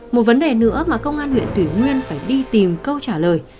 một vấn đề nữa mà công an huyện thủy nguyên phải đi tìm câu trả lời